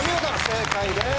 正解です。